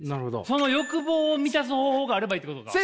その欲望を満たす方法があればいいってことか。